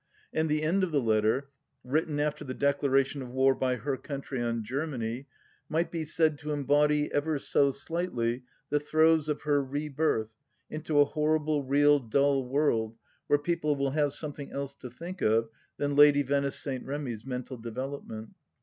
And the end of the letter, written after the Declaration of War by her country on Germany, might be said to embody, ever so slightly, the throes of her rebirth into a horrible real dull world where people will have something else to think of than Lady Venice St. Remy's mental development.